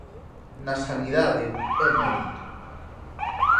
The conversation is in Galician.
Na sanidade, é mérito.